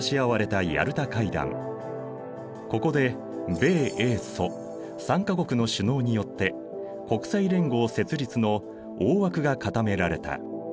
ここで米英ソ３か国の首脳によって国際連合設立の大枠が固められた。